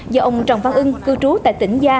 do ông trần văn ưng cư trú tại tỉnh gia